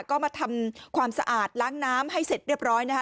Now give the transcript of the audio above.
ก็มาทำความสะอาดล้างน้ำให้เสร็จเรียบร้อยนะคะ